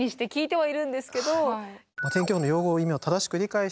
はい。